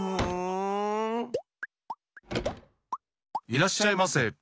いらっしゃいませ！